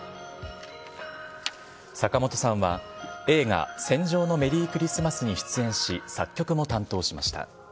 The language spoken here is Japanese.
坂本さんは、映画、戦場のメリークリスマスに出演し、作曲も担当しました。